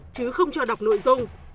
chứ không cho đọc nội dung